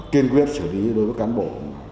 kiên quyết xử lý đối với cán bộ